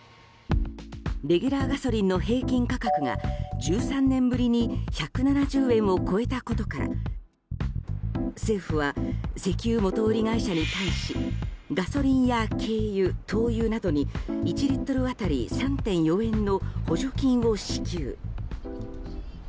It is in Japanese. レギュラーガソリンの平均価格が１３年ぶりに１７０円を超えたことから政府は石油元売り会社に対しガソリンや軽油、灯油などに１リットル当たり３．４円の補助金を支給。